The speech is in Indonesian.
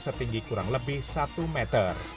setinggi kurang lebih satu meter